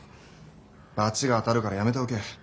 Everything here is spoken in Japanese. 罰が当たるからやめておけ。